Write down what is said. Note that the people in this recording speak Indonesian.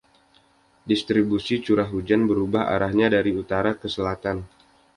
Distribusi curah hujan berubah arahnya dari utara ke selatan.